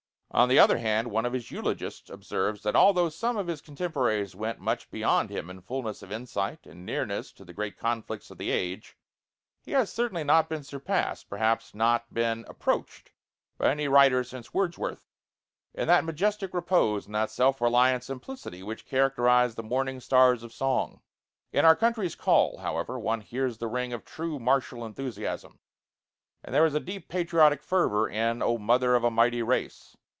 On the other hand, one of his eulogists observes that although some of his contemporaries went much beyond him in fullness of insight and nearness to the great conflicts of the age, "he has certainly not been surpassed, perhaps not been approached, by any writer since Wordsworth, in that majestic repose and that self reliant simplicity which characterized the morning stars of song." In 'Our Country's Call,' however, one hears the ring of true martial enthusiasm; and there is a deep patriotic fervor in 'O Mother of a Mighty Race.'